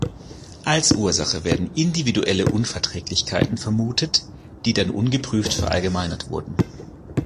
Als Ursache werden individuelle Unverträglichkeiten vermutet, die dann ungeprüft verallgemeinert wurden.